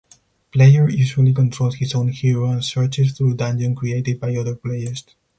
Player usually controls his own hero and searches through dungeon created by other players.